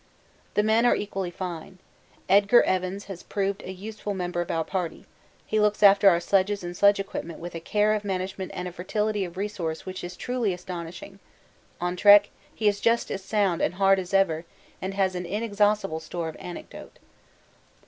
'The men are equally fine. Edgar Evans has proved a useful member of our party; he looks after our sledges and sledge equipment with a care of management and a fertility of resource which is truly astonishing on 'trek' he is just as sound and hard as ever and has an inexhaustible store of anecdote.